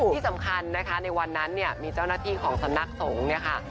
ที่สำคัญนะคะในวันนั้นเนี่ยมีเจ้าหน้าที่ของสำนักสงฆ์เนี่ยค่ะ